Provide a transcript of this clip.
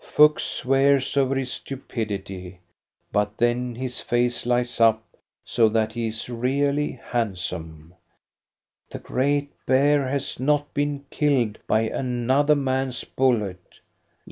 Fuchs swears over his stupidity, but then his face lights up so that he is really handsome. The great bear has not been killed by another man's bullet.